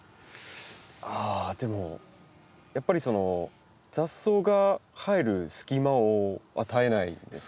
ああでもやっぱり雑草が生える隙間を与えないんですかね。